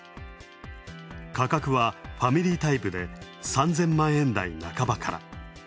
価格はファミリータイプで３０００万円台半ばから。